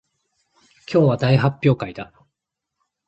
今日は大発会だ